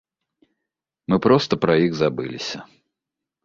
Мы проста пра іх забыліся.